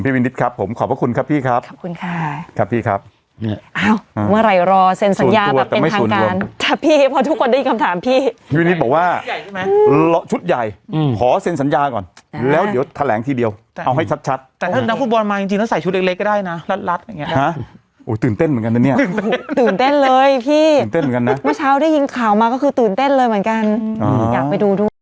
พี่วินิสต์โทรมาพี่วินิสต์โทรมาพี่วินิสต์โทรมาพี่วินิสต์โทรมาพี่วินิสต์โทรมาพี่วินิสต์โทรมาพี่วินิสต์โทรมาพี่วินิสต์โทรมาพี่วินิสต์โทรมาพี่วินิสต์โทรมาพี่วินิสต์โทรมาพี่วินิสต์โทรมาพี่วินิสต์โทรมาพี่วินิสต์โทรมาพี่วินิสต์โทรมาพี่วินิสต์โท